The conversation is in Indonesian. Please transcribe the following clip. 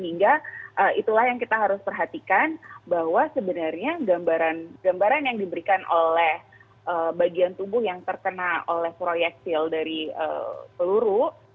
hingga itulah yang kita harus perhatikan bahwa sebenarnya gambaran yang diberikan oleh bagian tubuh yang terkena oleh proyektil dari peluru